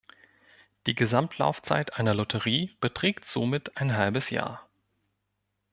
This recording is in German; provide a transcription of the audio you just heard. Die Gesamtlaufzeit einer Lotterie beträgt somit ein halbes Jahr.